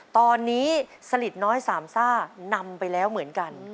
ตอนนี้สลิดน้อยสามซ่านำไปแล้วเหมือนกัน